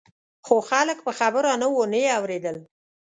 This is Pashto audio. خو خلک په خبره نه وو نه یې اورېدل.